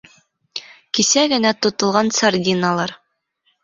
Кисә генә тотолған сардиналар.